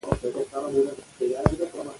افغانستان کې فاریاب د چاپېریال د تغیر نښه ده.